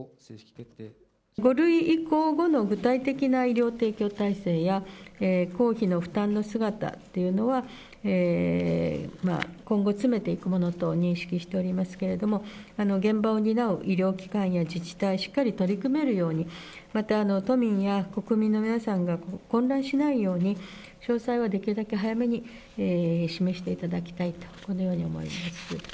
５類移行後の具体的な医療提供体制や、公費の負担の姿というのは、今後詰めていくものと認識しておりますけれども、現場を担う医療機関や自治体、しっかり取り組めるように、また、都民や国民の皆さんが混乱しないように、詳細はできるだけ早めに示していただきたいと、このように思います。